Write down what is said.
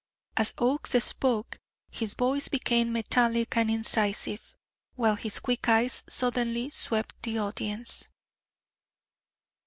'" As Oakes spoke, his voice became metallic and incisive, while his quick eyes suddenly swept the audience.